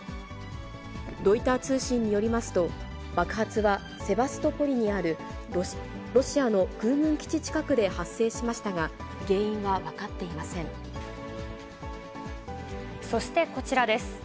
ロイター通信によりますと、爆発はセバストポリにあるロシアの空軍基地近くで発生しましたが、そしてこちらです。